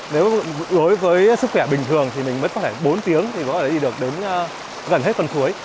nếu đối với sức khỏe bình thường thì mình mất có thể bốn tiếng thì có thể đi được đến gần hết con suối